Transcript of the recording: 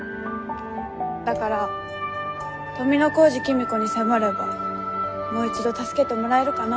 だから富小路公子に迫ればもう一度助けてもらえるかなって。